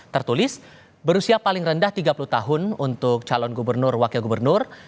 tertulis berusia paling rendah tiga puluh tahun untuk calon gubernur wakil gubernur